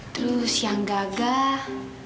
terus yang gagah